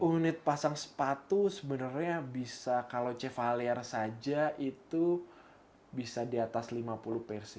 unit pasang sepatu sebenarnya bisa kalau chevalier saja itu bisa di atas lima puluh persi